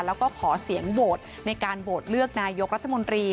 แล้วก็ขอเสียงโหวตในการโหวตเลือกนายกรัฐมนตรี